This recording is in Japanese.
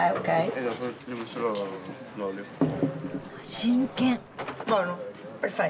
真剣。